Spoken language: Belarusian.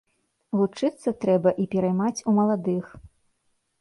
Вучыцца трэба і пераймаць у маладых.